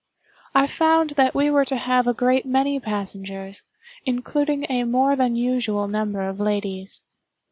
I found that we were to have a great many passengers, including a more than usual number of ladies.